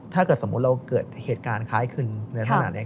ถ้าเกิดสมมุติเราเกิดเหตุการณ์คล้ายขึ้นในขณะนี้